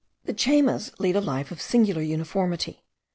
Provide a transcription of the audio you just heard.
The Chaymas lead a life of singular uniformity.